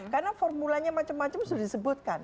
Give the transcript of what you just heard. karena formulanya macam macam sudah disebutkan